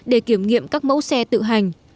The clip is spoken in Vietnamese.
để kiểm nghiệm các mẫu xe tự hành